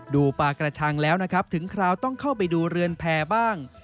ดูปลากระชังแล้วนะครับถึงคราวต้องเข้าไปดูเรือนแพร่บ้าง